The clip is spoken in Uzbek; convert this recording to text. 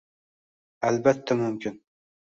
Albatta mumkin.